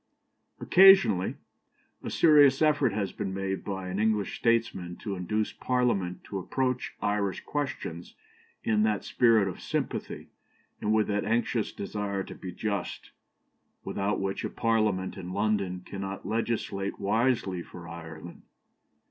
Occasionally a serious effort has been made by an English statesman to induce Parliament to approach Irish questions in that spirit of sympathy, and with that anxious desire to be just, without which a Parliament in London cannot legislate wisely for Ireland.